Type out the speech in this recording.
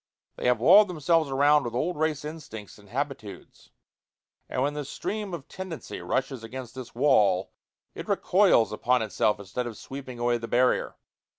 They have walled themselves around with old race instincts and habitudes, and when the stream of tendency rushes against this wall, it recoils upon itself instead of sweeping away the barrier.